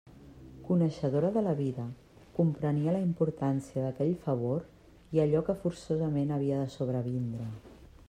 Coneixedora de la vida, comprenia la importància d'aquell favor i allò que forçosament havia de sobrevindre.